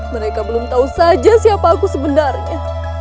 mereka belum tahu saja siapa aku sebenarnya